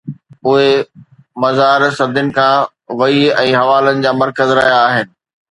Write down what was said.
اهي مزار صدين کان وحي ۽ حوالن جا مرڪز رهيا آهن